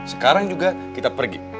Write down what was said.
sekarang juga kita pergi